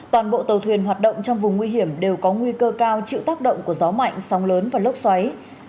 toàn bộ tàu thuyền hoạt động trong vùng nguy hiểm đều có nguy cơ cao chịu tác động của gió mạnh sóng lớn và lốc xoáy